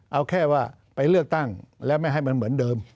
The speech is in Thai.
เอาแค่ว่าไปเลือกตั้งแล้วไม่ให้มันเหมือนเดิม